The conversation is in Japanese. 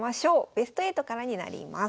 ベスト８からになります。